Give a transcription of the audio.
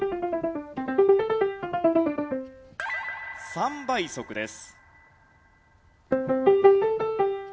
３倍速です。